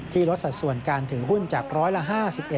ลดสัดส่วนการถือหุ้นจากร้อยละ๕๑